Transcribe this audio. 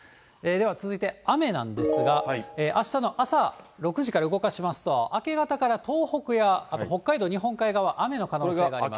では続いて雨なんですが、あしたの朝６時から動かしますと、明け方から東北や、あと北海道日本海側、雨の可能性があります。